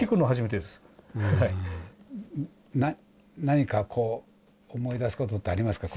何かこう思い出すことってありますか？